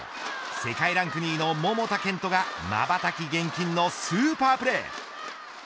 世界ランク２位の桃田賢斗がまばたき厳禁のスーパープレー。